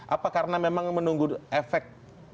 apa karena memang menunggu efek